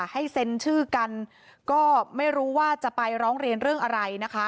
ให้เซ็นชื่อกันก็ไม่รู้ว่าจะไปร้องเรียนเรื่องอะไรนะคะ